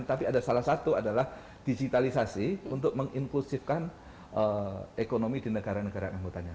tapi ada salah satu adalah digitalisasi untuk menginklusifkan ekonomi di negara negara anggotanya